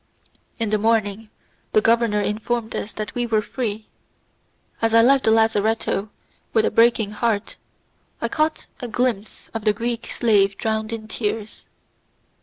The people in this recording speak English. In the morning, the governor informed us that we were free. As I left the lazzaretto, with a breaking heart, I caught a glimpse of the Greek slave drowned in tears.